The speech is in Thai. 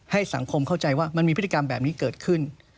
สังคมเข้าใจว่ามันมีพฤติกรรมแบบนี้เกิดขึ้น